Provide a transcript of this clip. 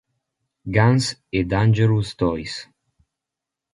Guns e Dangerous Toys.